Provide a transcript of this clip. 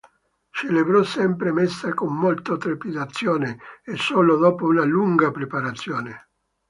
Celebrò sempre messa con molto trepidazione e solo dopo una lunga preparazione.